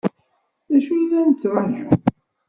D acu i la nettṛaǧu?